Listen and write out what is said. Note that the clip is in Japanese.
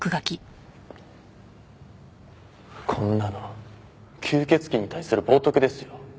こんなの吸血鬼に対する冒涜ですよ。